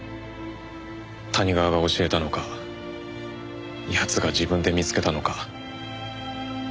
谷川が教えたのか奴が自分で見つけたのか。